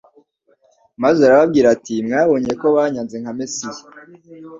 Maze arababwira ati: mwabonye ko banyanze nka Mesiya,